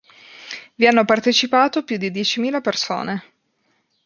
Vi hanno partecipato più di diecimila persone.